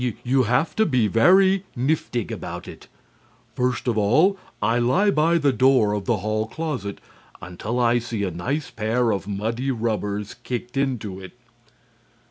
"You have to be very niftig about it. First of all, I lie by the door of the hall closet until I see a nice pair of muddy rubbers kicked into it."